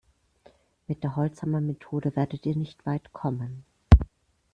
Mit der Holzhammermethode werdet ihr nicht weit kommen.